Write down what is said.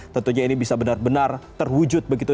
tentunya ini bisa benar benar terwujud begitu